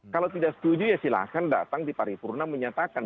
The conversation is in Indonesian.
kalau tidak setuju ya silahkan datang di paripurna menyatakan